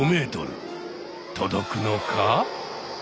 届くのか？